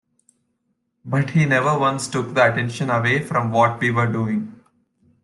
But he never once took the attention away from what we were doing.